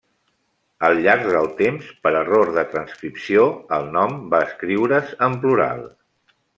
Al llarg del temps, per error de transcripció, el nom va escriure's en plural.